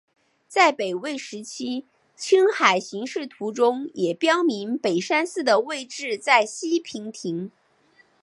在北魏时期青海形势图中也标明北山寺的位置在西平亭。